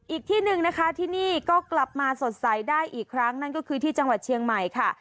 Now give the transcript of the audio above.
อีกที่หนึ่งนะคะที่นี่ก็กลับมาสดใสได้อีกครั้งนั่นก็คือที่จังหวัดเชียงใหม่ค่ะ